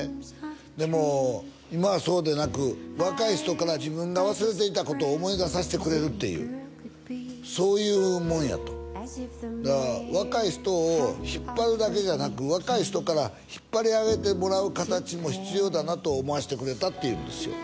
も今はそうでなく若い人から自分が忘れていたことを思い出させてくれるっていうそういうもんやとだから「若い人を引っ張るだけじゃなく」「若い人から引っ張り上げてもらう形も」「必要だなと思わせてくれた」って言うんですよ